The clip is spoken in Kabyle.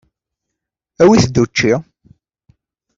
Awit-d učči.